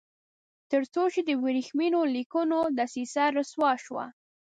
تر څو چې د ورېښمینو لیکونو دسیسه رسوا شوه.